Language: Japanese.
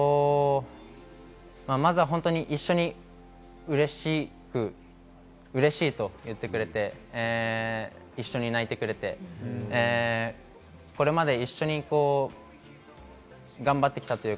一緒にうれしいと言ってくれて、一緒に泣いてくれて、これまで一緒に頑張ってきた。